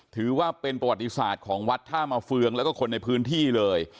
ถือว่าเป็นประวัติศาสตร์ของวัดท่ามาเฟืองแล้วก็คนในพื้นที่เลย